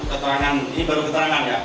keterangan ini baru keterangan ya